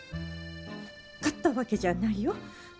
買ったわけじゃないよ。